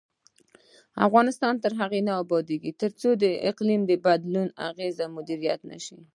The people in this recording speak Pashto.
افغانستان تر هغو نه ابادیږي، ترڅو د اقلیم بدلون اغیزې مدیریت نشي.